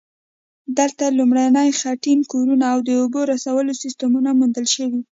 دلته لومړني خټین کورونه او د اوبو رسولو سیستمونه موندل شوي